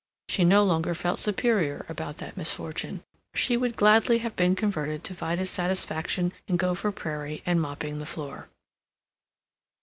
She no longer felt superior about that misfortune. She would gladly have been converted to Vida's satisfaction in Gopher Prairie and mopping the floor.